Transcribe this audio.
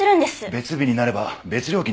別日になれば別料金になります。